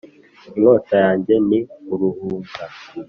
Inkota yanjye ni uruhuga